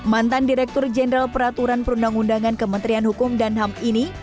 mantan direktur jenderal peraturan perundang undangan kementerian hukum dan ham ini